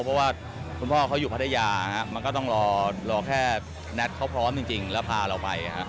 เพราะว่าคุณพ่อเขาอยู่พัทยามันก็ต้องรอแค่นัทเขาพร้อมจริงแล้วพาเราไป